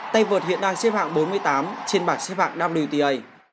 tay vợt hiện đang xếp hạng bốn mươi tám trên bảng xếp hạng wta